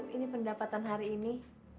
ini pendapatan hari ini